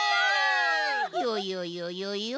よよよよよ